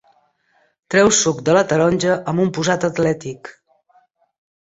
Treu el suc de la taronja amb un posat atlètic.